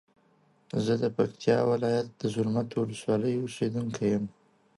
زه د پکتیا ولایت د زرمت ولسوالی اوسیدونکی یم.